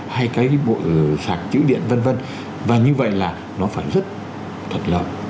hay cái bộ sạc chữ điện v v và như vậy là nó phải rất thuận lợi